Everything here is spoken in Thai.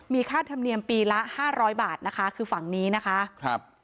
มีค่าธรรมเนียมปีละ๕๐๐บาทคือฝั่งนี้นะคะ